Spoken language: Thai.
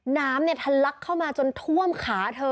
น้ำทะลักเข้ามาจนท่วมขาเธอ